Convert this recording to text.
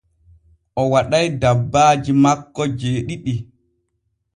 O waɗay dabbaaji makko jeeɗiɗi.